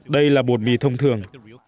đây là bột mì thông thường